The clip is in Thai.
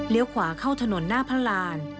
เลี้ยวขวาเข้าถนนหน้าพระราน